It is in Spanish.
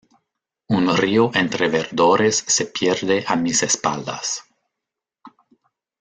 Un río entre verdores se pierde a mis espaldas.